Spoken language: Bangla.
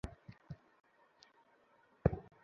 একটা প্রশ্ন করতে চাই আপনাদের, সৎভাবে উত্তর দিবেন।